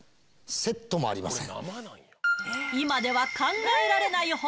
セットもありません。